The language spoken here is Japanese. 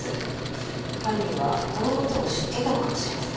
犯人はこの事を知っていたのかもしれません。